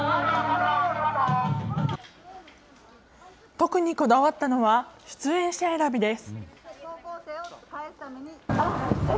特にこだわったのは、出演者選びです。